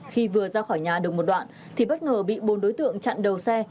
khi vừa ra khỏi nhà được một đoạn thì bất ngờ bị bốn đối tượng chặn đầu xe